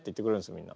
みんな。